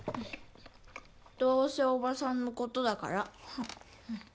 どうせおばさんのことだから。